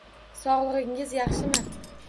Sog'lig'ingiz yaxshimi?